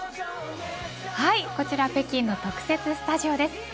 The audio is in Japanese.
こちら北京の特設スタジオです。